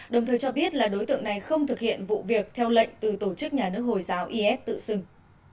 đồng thời cho biết là đối tượng này không thực hiện vụ việc theo lệnh từ tổ chức nhà nước hồi giáo is tự xưng